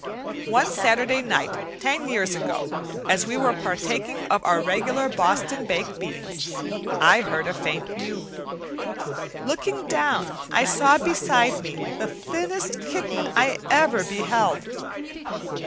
One Saturday night ten years ago, as we were partaking of our regular Boston baked beans, I heard a faint mew. Looking down I saw beside me the thinnest kitten I ever beheld.